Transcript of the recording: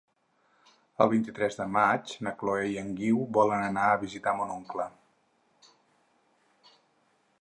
El vint-i-tres de maig na Chloé i en Guiu volen anar a visitar mon oncle.